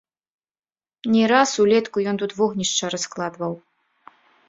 Не раз улетку ён тут вогнішча раскладваў.